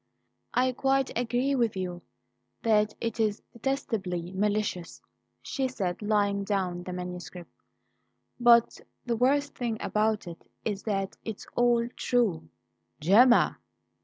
"I quite agree with you that it is detestably malicious," she said, laying down the manuscript. "But the worst thing about it is that it's all true." "Gemma!"